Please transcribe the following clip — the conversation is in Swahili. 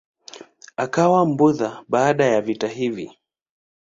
Akawa Mbudha baada ya vita hivi.